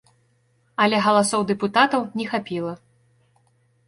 Але галасоў дэпутатаў не хапіла.